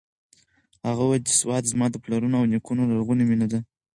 هغې وویل چې سوات زما د پلرونو او نیکونو لرغونې مېنه ده.